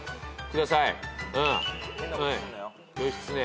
義経。